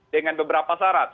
dengan beberapa syarat